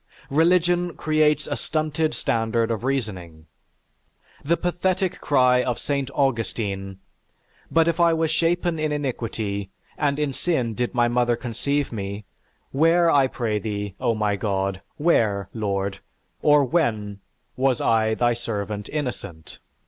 Religion creates a stunted standard of reasoning. The pathetic cry of St. Augustine, "But if I was shapen in iniquity, and in sin did my mother conceive me, where I pray thee, O my God, where, Lord, or when was I, thy servant innocent?"